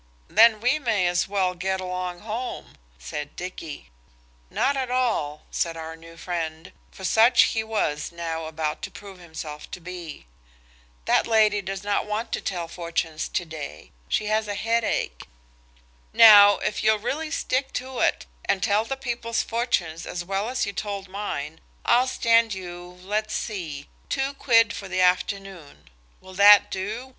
"Then we may as well get along home," said Dicky. "Not at all," said our new friend, for such he was now about to prove himself to be; "that lady does not want to tell fortunes to day. She has a headache. Now, if you'll really stick to it, and tell the people's fortunes as well as you told mine, I'll stand you–let's see–two quid for the afternoon. Will that do?